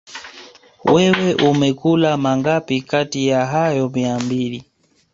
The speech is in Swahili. Wewe umekula mangapi kati ya hayo mia mbili